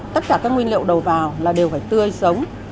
tất cả các nguyên liệu đầu vào là đều phải tươi sống